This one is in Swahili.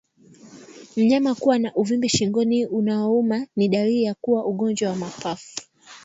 Mnyama kuwa na uvimbe shingoni unaouma ni dalili ya kuwa na ugonjwa wa mapafu